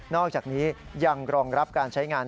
อกจากนี้ยังรองรับการใช้งาน